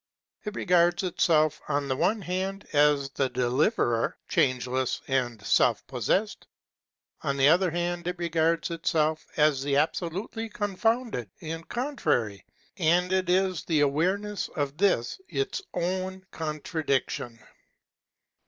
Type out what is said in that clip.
It regards itself on the one hand as the Deliverer, changeless and self possessed; on the other hand it regards it self as the absolutely confounded and contrary; and it is the awareness of this its own contradiction.